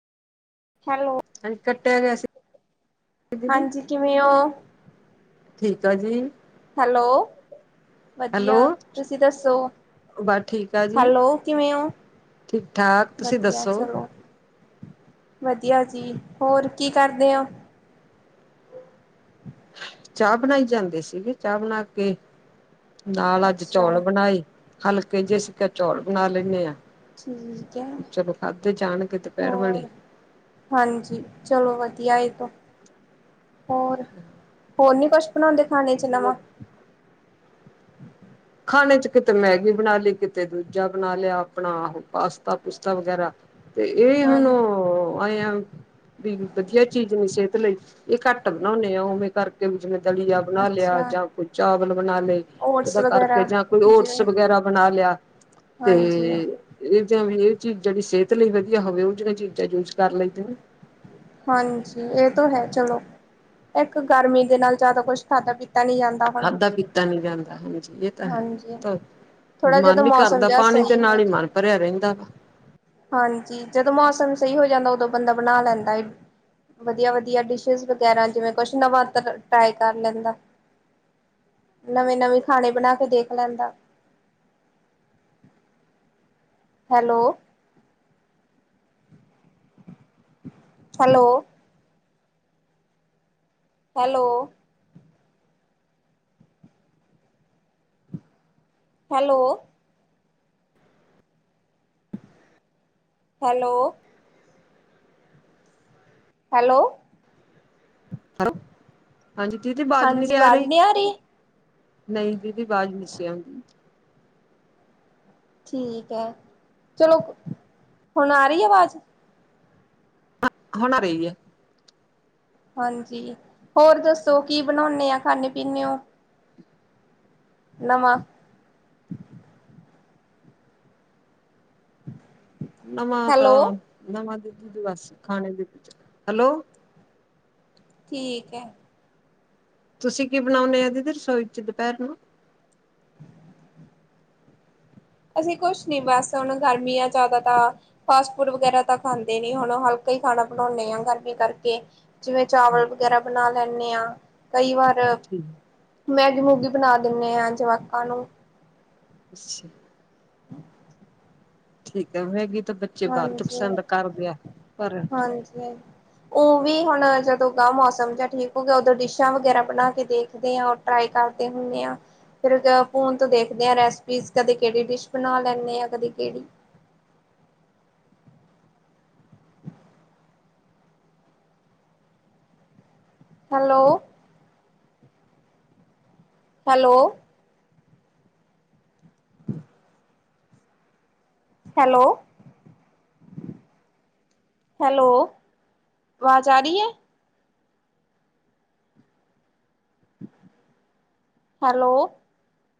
Hello, ਹਾਂਜੀ। ਕੱਟਿਆ ਗਿਆ ਸੀ ਦੀਦੀ। ਹਾਂਜੀ ਕਿਵੇਂ ਹੋ? ਠੀਕ ਆ ਜੀ। ਹੈਲੋ, ਵਧੀਆ ਹੈਲੋ ਤੁਸੀਂ ਦੱਸੋ। ਬਸ ਠੀਕ ਆ ਜੀ ਹੈਲੋ, ਕਿਵੇਂ ਹੋ? ਠੀਕ ਠਾਕ, ਤੁਸੀਂ ਵਧੀਆ ਦੱਸੋ ਚਲੋ ਵਧੀਆ ਜੀ ਹੋਰ ਕੀ ਕਰਦੇ ਔ। ਚਾਹ ਬਣਾਈ ਜਾਂਦੇ ਸੀਗੇ, ਚਾਹ ਬਣਾ ਕੇ ਨਾਲ ਅੱਜ ਅੱਛਾ, ਚੌਲ ਬਣਾਏ, ਹਲਕੇ ਜੇਸੀ ਚੌਲ ਬਣਾ ਲੈਂਨੇ ਆ। ਠੀਕ ਹੈ ਚਲੋ ਖਾਧੇ ਜਾਣਗੇ ਦੁਪਹਿਰ ਵਾਲੇ। ਹੋਰ ਘਿਆ ਆ ਇਹ ਤੋਂ, ਹੋਰ ਹੋਰ ਨੀ ਕੁਛ ਬਣਾਉਂਦੇ ਖਾਣੇ ਚ ਹੋਰ ਨਵਾਂ। ਖਾਣੇ ਚ ਕਿਤੇ ਮੈਗੀ ਬਣਾ ਲਈ, ਕਿਤੇ ਦੂਜਾ ਬਣਾ ਲਿਆ, ਆਪਣਾ ਉਹ ਪਾਸਤਾ ਪੂਸਤਾ ਵਗੈਰਾ ਤੇ ਇਹ ਹਾਂ ਹੁਣ ਵੀ ਵਧੀਆ ਚੀਜ਼ ਨੀ ਸਿਹਤ ਲਈ ਇਹ ਘੱਟ ਬਣਾਉਦੇ ਆ, ਉਵੇਂ ਕਰਕੇ ਜਿਵੇਂ ਦਲੀਆ ਬਣਾ ਲਿਆ, ਅੱਛਾ ਜਾਂ ਕੋਈ ਚਾਵਲ ਬਣਾ ਲਏ ਓਟਸ ਉਹਦਾ ਕਰਕੇ ਵਗੈਰਾ ਜਾਂ ਕੋਈ ਔਟਸ ਜਿਵੇਂ ਵਗੈਰਾ ਬਣਾ ਲਿਆ, ਤੇ ਹਾਂਜੀ ਇਹ ਜ ਵੀ ਚੀਜ਼ ਜਹੜੀ ਸਿਹਤ ਲਈ ਵਧੀਆ ਹੋਵੇ, ਉਹ ਜਿਹੀਆਂ ਚੀਜ਼ਾਂ ਯੂਜ ਕਰ ਲੈਂਦੇ ਨੇ ਹਾਂਜੀ ਇਹ ਤਾਂ ਹੈ, ਚਲੋ ਇੱਕ ਗਰਮੀ ਦੇ ਨਾਲ ਜ਼ਿਆਦਾ ਕੁਛ ਖਾਧਾ ਪੀਤਾ ਨਹੀਂ ਜਾਂਦਾ ਹੁਣ ਖਾਧਾ ਪੀਤਾ ਨੀ ਜਾਂਦਾ ਹਾਂਜੀ, ਇਹ ਤਾਂ ਹਾਂਜੀ ਹੈ। ਥੋੜਾ ਮਨ ਜਦੋਂ ਨੀ ਮੌਸਮ ਕਰਦਾ, ਜਿਹਾ ਪਾਣੀ ਤੇ ਸਹੀ ਹੋ ਨਾਲ ਹੀ ਜਾਏ ਮਨ ਭਰਿਆ ਰਹਿੰਦਾ ਵਾ ਹਾਂਜੀ ਜਦੋਂ ਮੌਸਮ ਸਹੀ ਹੋ ਜਾਂਦਾ, ਉਦੋਂ ਬੰਦਾ ਬਣਾ ਲੈਂਦਾ ਐ। ਵਧੀਆ ਵਧੀਆ ਡਿਸ਼ਿਜ਼ ਵਗੈਰਾ, ਜਿਵੇਂ ਕੁਛ ਨਵਾਂ ਤ ਟਰਾਈ ਕਰ ਲੈਂਦਾ। ਨਵੇਂ- ਨਵੇਂ ਖਾਣੇ ਬਣਾ ਕੇ ਦੇਖ ਲੈਂਦਾ। Hello, hello, hello, hello hello hello hello ਹਾਂਜੀ ਦੀਦੀ ਅਵਾਜ਼ ਨੀ ਹਾਂਜੀ ਸੀ ਆ ਆਵਾਜ਼ ਰਹੀ, ਨਹੀਂ ਨਹੀਂ ਦੀਦੀ ਅਵਾਜ਼ ਨੀ ਸੀ ਕਿਉਂ ਠੀਕ ਹੈ, ਚਲੋ ਹੁਣ ਆ ਰਹੀ ਐ ਆਵਾਜ਼। ਹੁਣ ਆ ਰਹੀ ਹੈ। ਹਾਂਜੀ ਹੋਰ ਦੱਸੋ ਕੀ ਬਣਾਉਂਦੇ ਆ, ਖਾਂਨੇ ਪੀਨੇ ਔ। ਨਵਾਂ ਨਵਾਂ ਹੈਲੋ ਤਾਂ ਨਵਾਂ, ਦੀਦੀ ਜੀ ਬਸ, ਖਾਣੇ ਦੀਦੀ, ਹੈਲੋ। ਠੀਕ ਹੈ। ਤੁਸੀਂ ਕੀ ਬਣਾਉਦੇ ਆ ਇਹ, ਦੀਦੀ ਰਸੋਈ ਚ ਦੁਪਹਿਰ ਨੂੰ ਅਸੀਂ ਕੁਛ ਨੀ ਬਸ, ਹੁਣ ਗਰਮੀ ਆ ਜ਼ਿਆਦਾ ਤਾਂ, ਫਾਸਟ ਫੂਡ ਵਗੈਰਾ ਤਾਂ ਖਾਂਦੇ ਨੀ ਹੁਣ, ਹਲਕਾ ਕਈ ਖਾਣਾ ਬਣਾਉਂਦੇ ਆਂ, ਗਰਮੀ ਕਰਕੇ ਜਿਵੇਂ ਚਾਵਲ ਵਗੈਰਾ ਬਣਾ ਲੈਂਦੇ ਆਂ, ਕਈ ਵਾਰ ਠੀਕ ਮੈਗੀ ਵੀ ਬਣਾ ਦਿੰਦੇ ਹਾਂ, ਜਵਾਕਾਂ ਨੂੰ ਅੱਛਾ ਹਮ [unintelligible] ਠੀਕ ਹੈ ਮੈਗੀ ਤਾਂ ਬੱਚੇ ਬਾਅਦ ਚ ਹਾਂਜੀ ਪਸੰਦ ਕਰਦੇ ਆ, ਪਰ ਔ ਵੀ ਹੁਣ ਜਦੋਂ ਗ ਮੌਸਮ ਜਾਂ ਠੀਕ ਹੋ ਗਿਆ, ਔਦੋਂ ਡਿਸ਼ਾਂ ਵਗੈਰਾ ਬਣਾ ਕੇ ਦੇਖਦੇ ਆ, ਟਰਾਈ ਕਰ ਕਰਦੇ ਹੁੰਦੇ ਹਾਂ ਫਿਰ ਫੋਨ ਤੋਂ ਦੇਖਦੇ ਆ ਰੈਸਪੀਜ਼ ਕਦੇ ਕਿਹੜੀ ਡਿਸ਼ ਬਣਾ ਲੈਂਦੇ ਆ ਕਦੇ ਕਿਹੜੀ [inaudible] ਹੈਲੋ ਹੈਲੋ ਹ [inaudible] ਹੈਲੋ ਹੈਲੋ! ਆਵਾਜ਼ ਆ ਰਹੀ ਏ। ਹੈਲੋ!